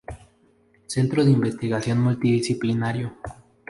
Centro de Investigación multidisciplinario.